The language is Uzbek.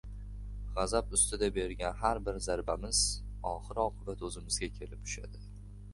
G‘azab ustida bergan har bir zarbamiz oxir-oqibat o‘zimizga kelib tushadi.